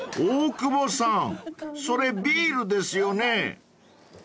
［大久保さんそれビールですよね］